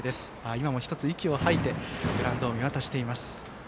今も１つ、息を吐いてグラウンドを見回していました。